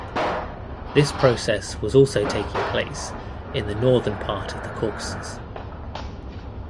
This process was also taking place in the northern part of the Caucasus.